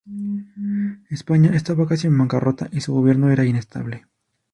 España estaba casi en bancarrota y su gobierno era inestable.